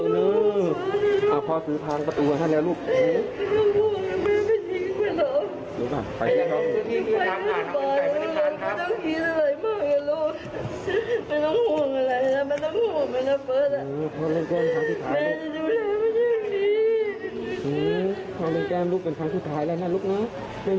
น้องไฟเองก็มีลูกก็ยังเล็กอยู่ค่ะ